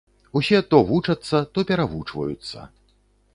Усе то вучацца, то перавучваюцца.